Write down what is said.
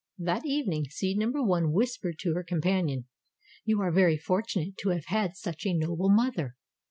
That evening seed number One whispered to her companion: "You are very fortunate to have had such a noble mother.